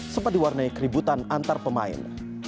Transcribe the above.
sempat diwarnai keributan antar pemain